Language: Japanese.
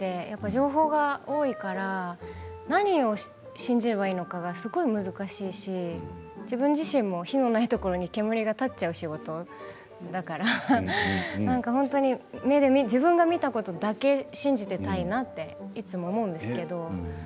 情報が多いから何を信じればいいのかがすごい難しいし自分自身も火のないところに煙が立っちゃう仕事だから自分が見たことだけを信じていたいなっていつも思うんですけれど。